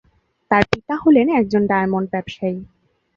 তাঁর পিতা হলেন একজন ডায়মন্ড ব্যবসায়ী।